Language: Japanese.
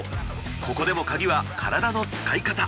ここでも鍵は体の使い方。